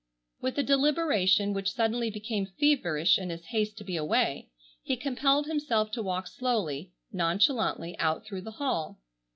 With a deliberation which suddenly became feverish in his haste to be away, he compelled himself to walk slowly, nonchalantly out through the hall.